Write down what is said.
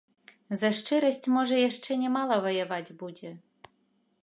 За шчырасць можа яшчэ не мала ваяваць будзе.